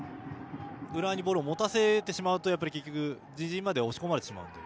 浦和にボールを持たせてしまうと結局、自陣まで押し込まれてしまうので。